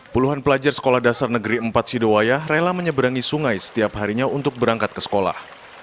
puluhan pelajar sekolah dasar negeri empat sidowaya rela menyeberangi sungai setiap harinya untuk berangkat ke sekolah